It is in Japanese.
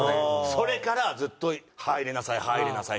それからずっと「歯入れなさい歯入れなさい」って。